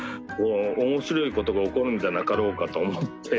面白いことが起こるんじゃなかろうかと思っています